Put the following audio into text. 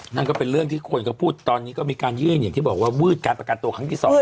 นั่นก็เป็นเรื่องที่คนเขาพูดตอนนี้ก็มีการยื่นอย่างที่บอกว่าวืดการประกันตัวครั้งที่๒